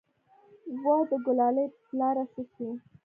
وه د ګلالي پلاره څه سوې.